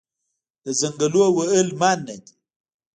د ځنګلونو وهل منع دي